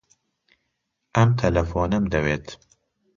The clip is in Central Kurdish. ئەم تەلەفۆنەم دەوێت.